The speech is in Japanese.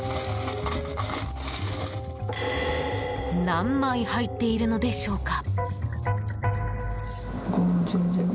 何枚入っているのでしょうか？